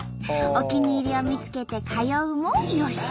お気に入りを見つけて通うもよし。